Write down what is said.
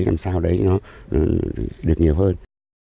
làm sao đấy nó được nhiều hơn